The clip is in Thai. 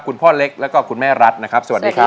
คุณพ่อเล็กแล้วก็คุณแม่รัฐนะครับสวัสดีครับ